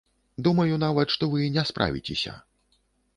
Думаю нават, што вы не справіцеся.